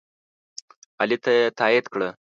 علي ته یې تایید کړه.